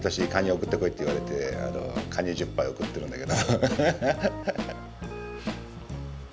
送ってこいって言われてカニ１０杯送ってるんだけど。